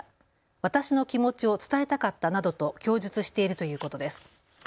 私の気持ちを伝えたかったなどと供述しているということです。